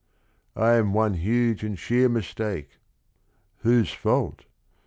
I am one huge and sheer mistake, — whose fault?